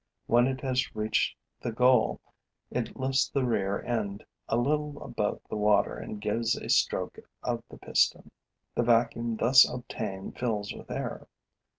When it has reached the goal, it lifts the rear end a little above the water and gives a stroke of the piston. The vacuum thus obtained fills with air.